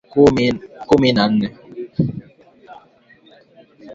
Kumi na nne